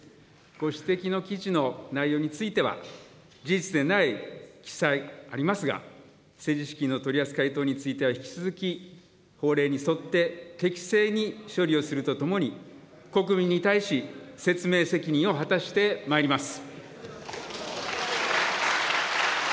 ご指摘の記事の内容については、事実でない記載ありますが、政治資金の取り扱い等については引き続き、法令に沿って、適正に処理をするとともに、国民に対し説明責任を果たしてまいります。